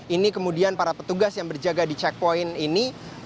ini kemudian para petugas yang berjaga di checkpoint ini